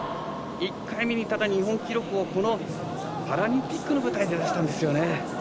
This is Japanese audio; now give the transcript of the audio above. １回目に、ただ日本記録をこのパラリンピックの舞台で出したんですよね。